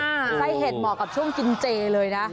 ไส้เห็ดเหมาะกับช่วงกินเจเลยนะ